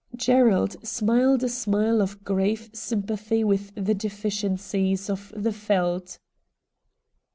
Gerald smiled a smile of grave ^sympathy with the deficiencies of the Yeldt.